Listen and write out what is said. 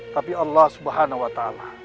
tapi allah subhanahu wa ta'ala